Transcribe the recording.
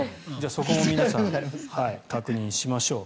そこは皆さん確認しましょう。